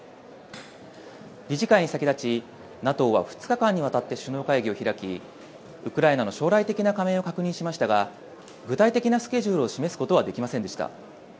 理事会に先立ち、ＮＡＴＯは２日間にわたって首脳会議を開きウクライナの将来的な加盟を確認しましたが具体的なスケジュールを示すことはできませんでした。